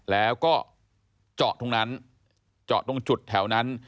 แล้วก็เจาะตรงนั้นเจาะตรงจุดแถวนั้น